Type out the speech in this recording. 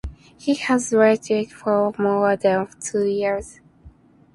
He has retired for more than two years.